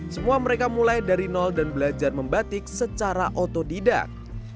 semua mereka mulai dari nol dan belajar membatik secara otodidak